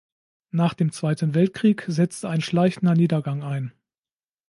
Nach dem Zweiten Weltkrieg setzte ein schleichender Niedergang ein.